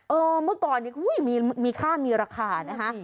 เออเมื่อก่อนมีค่ามีราคานะฮะ